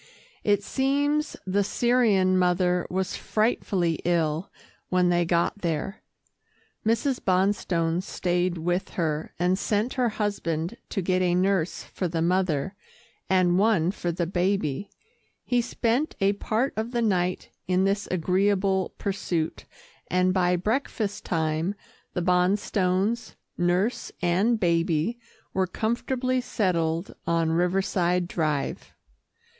It seems the Syrian mother was frightfully ill when they got there. Mrs. Bonstone stayed with her, and sent her husband to get a nurse for the mother, and one for the baby. He spent a part of the night in this agreeable pursuit, and by breakfast time the Bonstones, nurse and baby were comfortably settled on Riverside Drive.